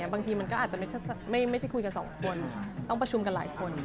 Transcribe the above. บางทีมันก็อาจจะไม่ใช่คุยกันสองคนต้องประชุมกันหลายคน